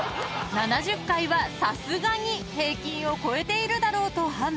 ［７０回はさすがに平均を超えているだろうと判断］